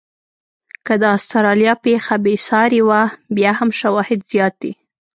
که د استرالیا پېښه بې ساري وه، بیا هم شواهد زیات دي.